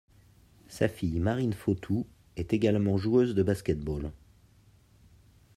Sa fille Marine Fauthoux est également joueuse de basket-ball.